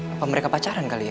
apa mereka pacaran kali ya